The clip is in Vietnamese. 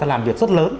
đã làm việc rất lớn